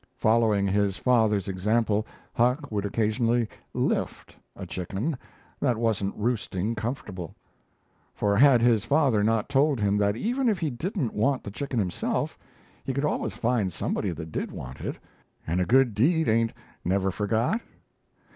Following his father's example, Huck would occasionally "lift" a chicken that wasn't roosting comfortable; for had his father not told him that even if he didn't want the chicken himself, he could always find somebody that did want it, and a good deed ain't never forgot?